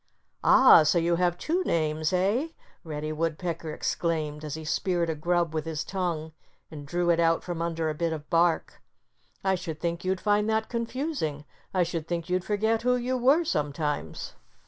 "Ah! So you have two names, eh?" Reddy Woodpecker exclaimed, as he speared a grub with his tongue and drew it out from under a bit of bark. "I should think you'd find that confusing. I should think you'd forget who you were, sometimes."